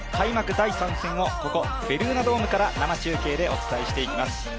第３戦をここ、ベルーナドームから生中継でお伝えしていきます。